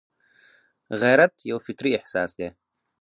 غیرت یو فطري احساس دی